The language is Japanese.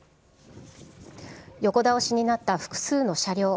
横倒しになった複数の車両。